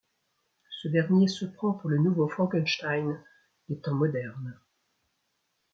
Ce dernier se prend pour le nouveau Frankenstein des temps modernes.